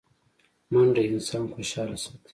منډه انسان خوشحاله ساتي